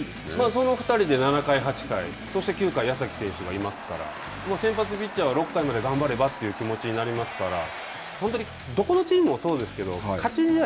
その２人で７回、８回、そして、９回に矢崎選手がいますから、先発ピッチャーは６回まで頑張ればという気持ちになりますから本当にどこのチームもそうですけど勝ち試合。